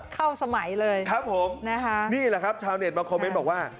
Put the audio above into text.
เข้าสมัยเลยนี่แหละครับชาวเน็ตมาคอมเม้นต์บอกว่า